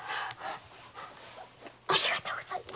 ありがとうございます！